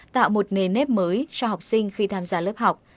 tạo một nền nếp mới cho học sinh khi tham gia lớp học